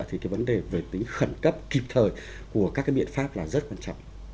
thì cái vấn đề về tính khẩn cấp kịp thời của các cái biện pháp là rất quan trọng